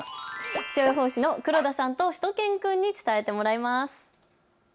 気象予報士の黒田さんとしゅと犬くんに伝えてもらいます。